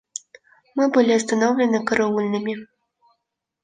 Мы были остановлены караульными.